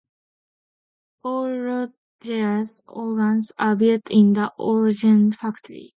All Rodgers organs are built in the Oregon factory.